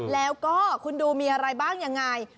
แล้วก็คุณดูมีอะไรบ้างยังไง